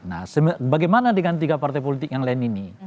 nah bagaimana dengan tiga partai politik yang lain ini